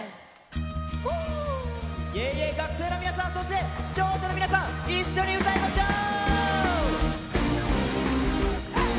学生の皆さん、視聴者の皆さん一緒に歌いましょう。